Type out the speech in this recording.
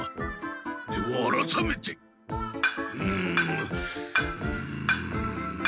ではあらためてうむうむ。